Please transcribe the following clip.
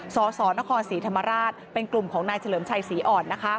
สสนครศรีธรรมราชเป็นกลุ่มของนายเฉลิมชัยศรีอ่อน